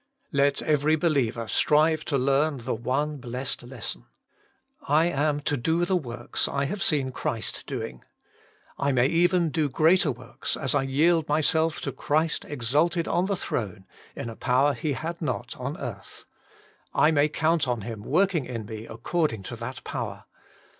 Let every believer strive to learn the one blessed lesson. I am to do the works I have seen Christ doing; I may even do 50 Working for God greater works as I yield myself to Christ exalted on the throne, in a power He had not on earth ; I may count on Him working in me according to that power.